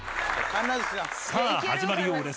［さあ始まるようです。